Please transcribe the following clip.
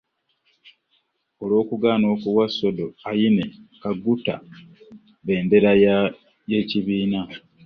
Olw'okugaana okuwa Sodo Aine Kaguta bbendera y'ekibiina